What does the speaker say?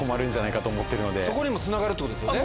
そこにもつながるってことですよね？